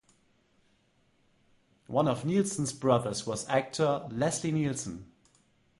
One of Nielsen's brothers was actor Leslie Nielsen.